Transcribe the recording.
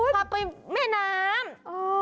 พาไปแม่น้ำ